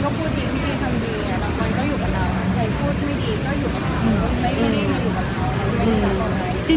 ใครพูดไม่ดีก็อยู่กับเขา